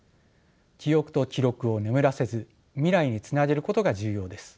記憶と記録を眠らせず未来につなげることが重要です。